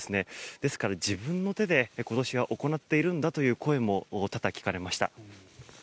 ですから自分の手で今年は行っているんだという声も多々、聞かれました。